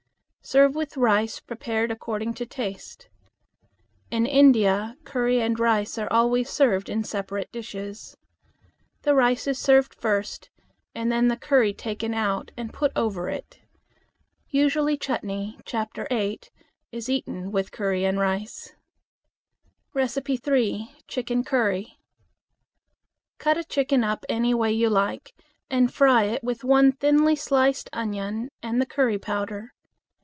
Serve with rice prepared according to taste. In India, curry and rice are always served in separate dishes. The rice is served first and the curry taken out and put over it. Usually chutney (Chapter VIII) is eaten with curry and rice. 3. Chicken Curry. Cut a chicken up any way you like and fry it with one thinly sliced onion and the curry powder.